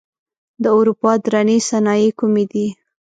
د اروپا درنې صنایع کومې دي؟